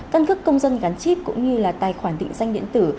căn cước công dân gắn chip cũng như là tài khoản định danh điện tử